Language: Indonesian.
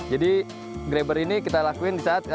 jadi grabber ini kita lakuin disaat